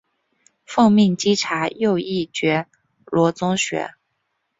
奉命稽查右翼觉罗宗学。